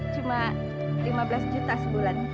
cuma lima belas juta sebulan